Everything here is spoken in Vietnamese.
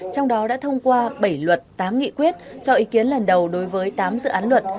trong đó đã thông qua bảy luật tám nghị quyết cho ý kiến lần đầu đối với tám dự án luật